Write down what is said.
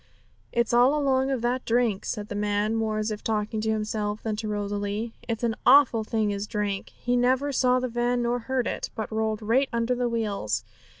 'It's all along of that drink,' said the man, more as if talking to himself than to Rosalie. 'It's an awful thing is drink. He never saw the van nor heard it, but rolled right under the wheels.